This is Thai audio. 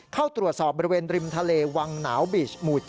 เข้าตรวจสอบบริเวณริมทะเลวังหนาวบีชหมู่๗